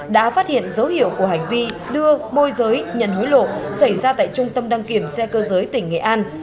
đã phát hiện dấu hiệu của hành vi đưa môi giấy nhận hối lộ xảy ra tại trung tâm năng kiểm xe cơ giới tỉnh nghị an